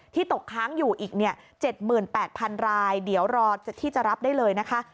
ตกค้างอยู่อีก๗๘๐๐๐รายเดี๋ยวรอที่จะรับได้เลยนะคะ